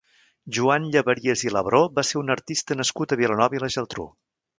Joan Llaverias i Labró va ser un artista nascut a Vilanova i la Geltrú.